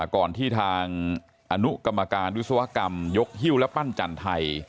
ก่อนที่ทางอนุกรรมการวิศวกรรมยกฮิ้วและปั้นจันทร์ไทย